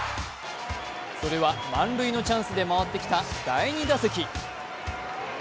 それは満塁のチャンスで回ってきた第２打席。